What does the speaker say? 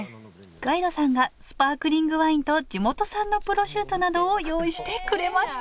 ガイドさんがスパークリングワインと地元産のプロシュートなどを用意してくれました！